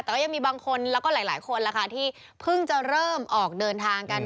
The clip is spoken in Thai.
แต่ก็ยังมีบางคนแล้วก็หลายคนล่ะค่ะที่เพิ่งจะเริ่มออกเดินทางกัน